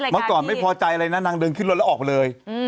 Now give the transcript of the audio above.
เมื่อก่อนไม่พอใจในนางดึงขึ้นแล้วออกเลย